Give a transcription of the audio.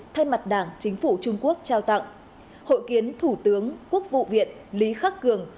thay mặt đảng chính phủ trung quốc trao tặng hội kiến thủ tướng quốc vụ viện lý khắc cường